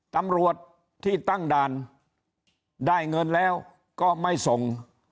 ตำรวจที่ตั้งด่านได้เงินแล้วก็ไม่ส่ง